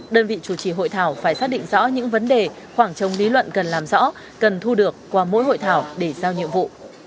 đơn vị chủ trì hội thảo phải xác định rõ những vấn đề khoảng trông lý luận cần làm rõ cần thu được qua mỗi hội thảo để giao nhiệm vụ